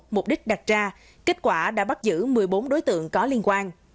mục đích đặt ra kết quả đã bắt giữ một mươi bốn đối tượng có liên quan